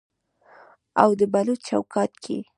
او د بلوط چوکاټ کې